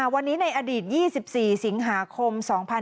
วันนี้ในอดีต๒๔สิงหาคม๒๕๕๙